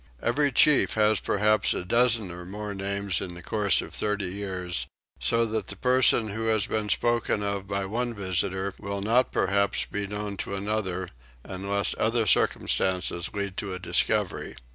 Every chief has perhaps a dozen or more names in the course of thirty years; so that the person who has been spoken of by one visitor will not perhaps be known to another unless other circumstances lead to a discovery.